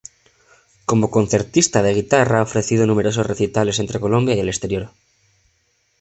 Como concertista de guitarra ha ofrecido numerosos recitales entre Colombia y el exterior.